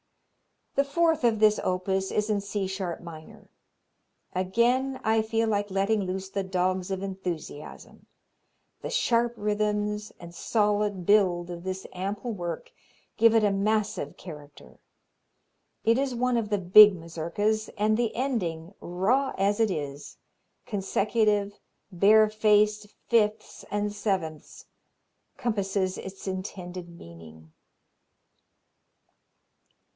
The fourth of this opus is in C sharp minor. Again I feel like letting loose the dogs of enthusiasm. The sharp rhythms and solid build of this ample work give it a massive character. It is one of the big Mazurkas, and the ending, raw as it is consecutive, bare faced fifths and sevenths compasses its intended meaning.